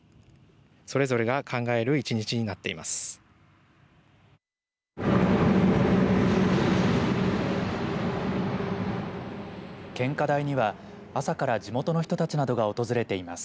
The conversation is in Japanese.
それぞれが考える１日になっています。